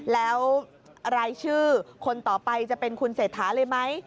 แล้วรายชื่อคนต่อไปจะเป็นคุณเศรษฐาเลยไหม